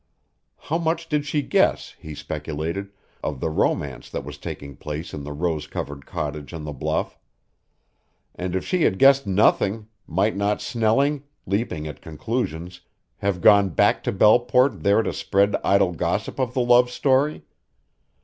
How much did she guess, he speculated, of the romance that was taking place in the rose covered cottage on the bluff. And if she had guessed nothing, might not Snelling, leaping at conclusions, have gone back to Belleport there to spread idle gossip of the love story?